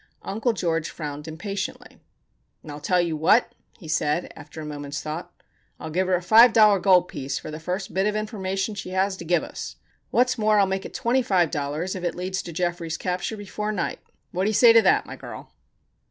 Uncle George frowned impatiently. "I'll tell you what," he said, after a moment's thought. "I'll give her a five dollar gold piece for the first bit of information she has to give us. What's more, I'll make it twenty five dollars, if it leads to Geoffrey's capture before night. What do you say to that, my girl?"